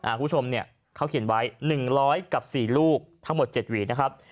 คุณผู้ชมเนี่ยเขาเขียนไว้๑๐๐กับ๔ลูกทั้งหมด๗หวีนะครับ